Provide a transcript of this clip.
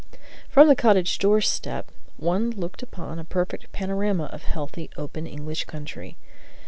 From the cottage doorstep one looked upon a perfect panorama of healthy, open English country.